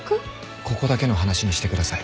ここだけの話にしてください。